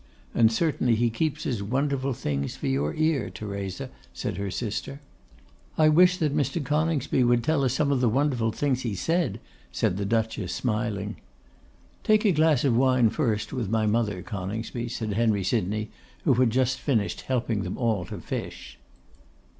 'And certainly he keeps his wonderful things for your ear, Theresa,' said her sister. 'I wish that Mr. Coningsby would tell us some of the wonderful things he said,' said the Duchess, smiling. 'Take a glass of wine first with my mother, Coningsby,' said Henry Sydney, who had just finished helping them all to fish.